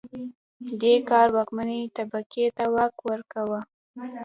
دې کار واکمنې طبقې ته واک ورکاوه